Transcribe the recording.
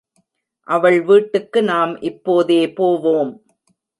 அவள் வீட்டுக்கு நாம் இப்போதே போவோம்.